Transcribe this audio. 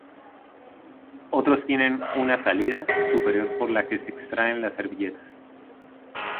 Otros tienen una salida superior por la que se extraen las servilletas.